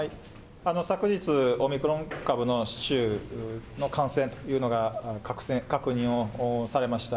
昨日、オミクロン株の市中の感染というのが確認をされました。